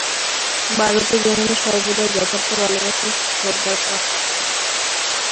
ভারতে জননী সর্বদাই যথার্থ ভালবাসা ও শ্রদ্ধার পাত্রী।